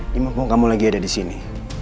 dimengkung kamu lagi ada disini